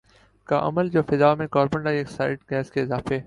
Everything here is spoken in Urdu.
کا عمل جو فضا میں کاربن ڈائی آکسائیڈ گیس کے اضافے